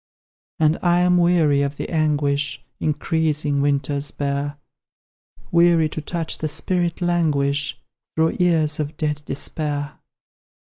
And I am weary of the anguish Increasing winters bear; Weary to watch the spirit languish Through years of dead despair.